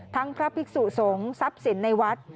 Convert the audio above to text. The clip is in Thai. พระภิกษุสงฆ์ทรัพย์สินในวัด